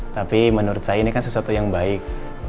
tapi menurut saya ini kan sesuatu yang baik